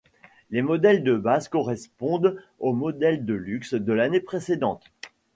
Les modèles de base correspondent aux modèles DeLuxe de l'année précédente.